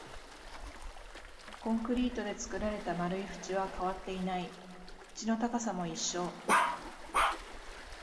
コンクリートで作られた丸い縁は変わっていない、縁の高さも一緒